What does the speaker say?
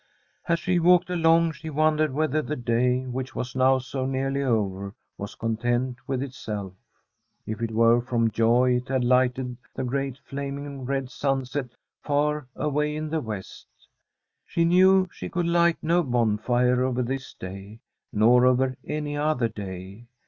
As she walked along she wondered whether the day, which was now so nearly over, was content with itself — if it were from joy it had The STORY of a COUNTRY HOUSE lighted the great flaming red sunset far away in the west. She knew she could light no bonfire over this day, nor over any other day.